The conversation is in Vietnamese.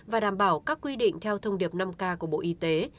và đảm bảo các quy định theo thông điệp năm k của bộ y tế